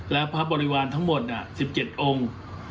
และพระบริวารทั้งหมด๑๗องค์